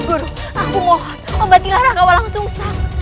guru aku mohon obatilah raka walang sungisawa